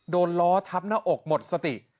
โดนล้อทับหน้าอกหมดสติ